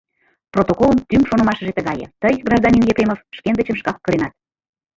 — Протоколын тӱҥ шонымашыже тыгае: тый, гражданин Епремов, шкендычым шкак кыренат.